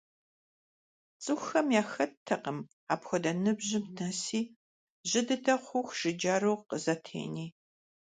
ЦӀыхухэм яхэттэкъым апхуэдэ ныбжьым нэси, жьы дыдэ хъуху жыджэру къызэтени.